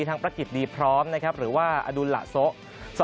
ทั้งประกิษดีพร้อมหรือว่าอดูลละสก